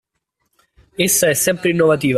Essa è sempre innovativa.